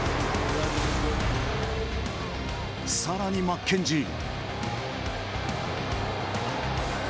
さらにマッケンジー。